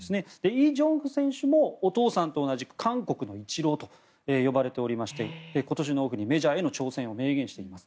イ・ジョンフ選手もお父さんと同じく韓国のイチローと呼ばれておりまして今年のオフにメジャーへの挑戦を明言しています。